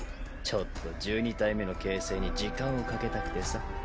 ちょっと１２体目の形成に時間をかけたくてさ。